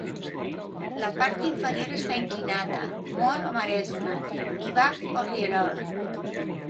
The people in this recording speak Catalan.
La part inferior està inclinada, Moor o maresme, i Bach o rierol.